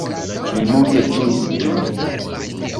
Ni multe ĝuis ĝin.